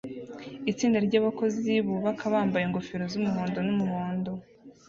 Itsinda ryabakozi bubaka bambaye ingofero zumuhondo numuhondo